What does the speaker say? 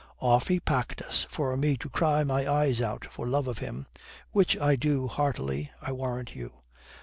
Off he packed us, for me to cry my eyes out for love of him. Which I do heartily, I warrant you."